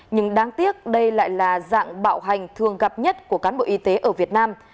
nhưng đáng tiếc đây lại là dạng bạo hành thường gặp nhất của cán bộ y tế ở việt nam